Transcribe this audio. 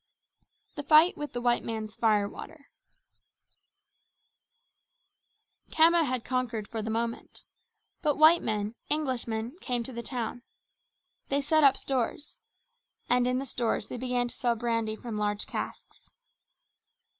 The Fight with the White Man's "Fire water" Khama had conquered for the moment. But white men, Englishmen, came to the town. They set up stores. And in the stores they began to sell brandy from large casks.